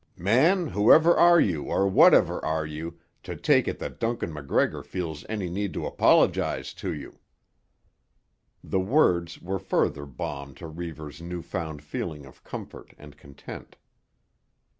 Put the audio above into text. "Man, whoever are you or whatever are you, to take it that Duncan MacGregor feels any need to apologise to you?" The words were further balm to Reivers's new found feeling of comfort and content.